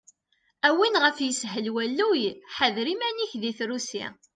A win ɣef yeshel walluy, ḥader iman-ik di trusi!